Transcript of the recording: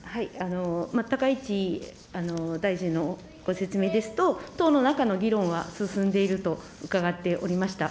高市大臣のご説明ですと、党の中の議論は進んでいると伺っておりました。